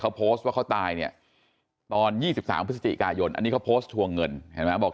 เขาโพสต์ว่าเขาตายเนี่ยตอน๒๓พฤศจิกายนอันนี้เขาโพสต์ทวงเงินเห็นไหมบอก